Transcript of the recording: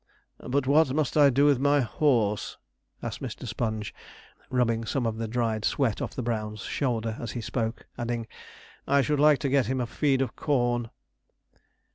'But what must I do with my horse?' asked Mr. Sponge, rubbing some of the dried sweat off the brown's shoulder as he spoke; adding, 'I should like to get him a feed of corn.'